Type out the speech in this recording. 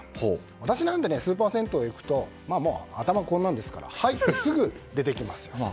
私なんてスーパー銭湯に行くと頭がこんなんですから入ってすぐ出てきます。